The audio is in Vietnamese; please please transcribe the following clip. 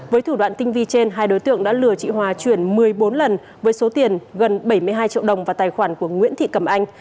với thủ đoạn tinh vi trên hai đối tượng đã lừa chị hòa chuyển một mươi bốn lần với số tiền gần bảy mươi hai triệu đồng vào tài khoản của nguyễn thị cẩm anh